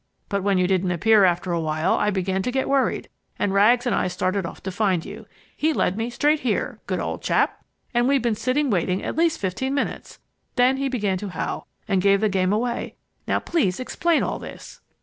But when you didn't appear after a while, I began to get worried, and Rags and I started off to find you. He led me straight here (good old chap!) and we've been sitting waiting at least fifteen minutes. Then he began to howl and gave the game away. Now please explain all this!"